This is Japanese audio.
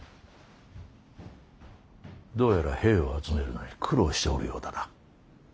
どうやら兵を集めるのに苦労しておるようだな。